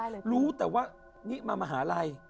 รู้แต่ว่านี่มามหาลัย